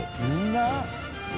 みんな？